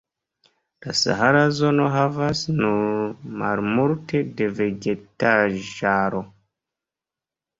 La sahara zono havas nur malmulte da vegetaĵaro.